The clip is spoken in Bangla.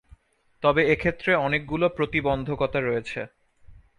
তবে এক্ষেত্রে অনেকগুলো প্রতিবন্ধকতা রয়েছে।